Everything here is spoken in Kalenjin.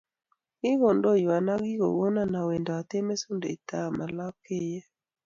Ki kondoiywo ak kogono awendotee mesundeito ama Lapkeiyet.